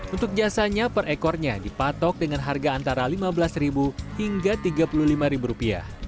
untuk jasanya per ekornya dipatok dengan harga antara rp lima belas hingga rp tiga puluh lima